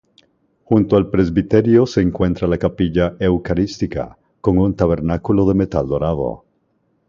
Junto al presbiterio se encuentra la Capilla Eucarística, con un tabernáculo de metal dorado.